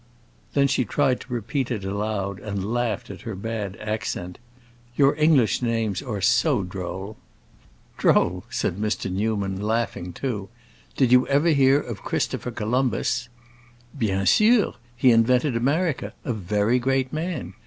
Then she tried to repeat it aloud, and laughed at her bad accent. "Your English names are so droll!" "Droll?" said Mr. Newman, laughing too. "Did you ever hear of Christopher Columbus?" "Bien sûr! He invented America; a very great man.